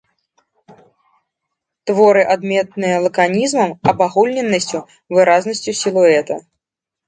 Творы адметныя лаканізмам, абагульненасцю, выразнасцю сілуэта.